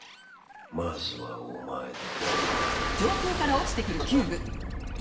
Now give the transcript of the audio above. まずはお前だ。